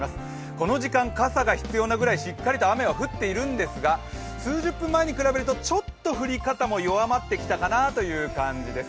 この時間、傘が必要なくらい、しっかりと雨が降っているんですが数十分前に比べるとちょっと降り方も弱まってきたかなという感じです。